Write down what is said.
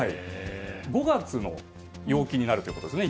５月の陽気になるということですね。